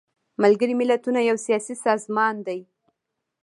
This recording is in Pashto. ملګري ملتونه یو سیاسي سازمان دی.